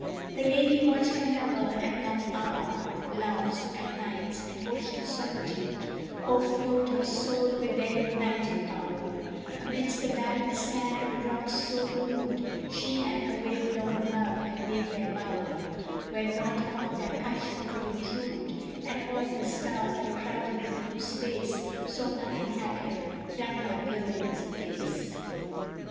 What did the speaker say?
The lady watched her lover and that hour Of Love's, and Night's, and Ocean's solitude, O'erflowed her soul with their united power; Amidst the barren sand and rocks so rude, She and her wave worn love had made their bower Where naught upon their passion could intrude; And all the stars that crowded the blue space Saw nothing happier than her glowing face.